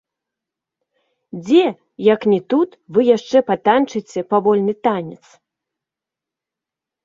Дзе, як ні тут, вы яшчэ патанчыце павольны танец?